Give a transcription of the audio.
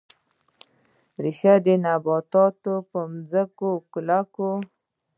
ریښې نبات په ځمکه کلکوي